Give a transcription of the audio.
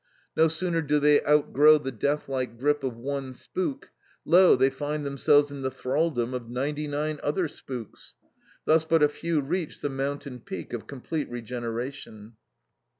No sooner do they outgrow the deathlike grip of one spook, lo! they find themselves in the thralldom of ninety nine other spooks. Thus but a few reach the mountain peak of complete regeneration.